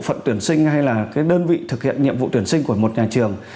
phận tuyển sinh hay là cái đơn vị thực hiện nhiệm vụ tuyển sinh của một nhà trường